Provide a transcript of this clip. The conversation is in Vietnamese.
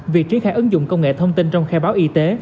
việc triển khai ứng dụng công nghệ thông tin trong khai báo y tế